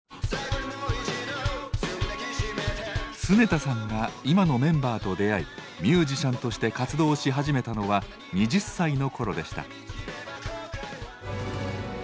常田さんが今のメンバーと出会いミュージシャンとして活動し始めたのは２０歳の頃でした。